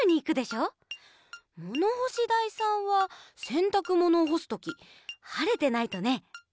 ものほしだいさんはせんたくものをほすときはれてないとね。